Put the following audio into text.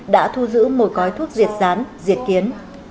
đã thu giữ một gói thuốc diệt rán diệt kiến